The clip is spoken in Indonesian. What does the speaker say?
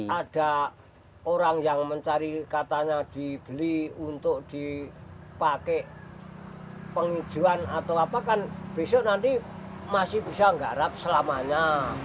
ada orang yang mencari katanya dibeli untuk dipakai penghijauan atau apa kan besok nanti masih bisa nggak harap selamanya